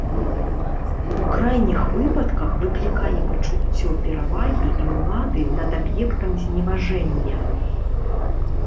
У крайніх выпадках выклікае пачуццё перавагі і ўлады над аб'ектам зневажэння.